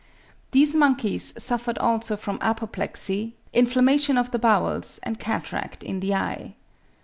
These monkeys suffered also from apoplexy, inflammation of the bowels, and cataract in the eye.